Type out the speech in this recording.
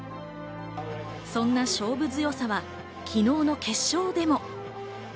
そんな勝負強さは昨日の決勝でも。